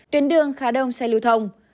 tuyến đường khá đông xe lưu thông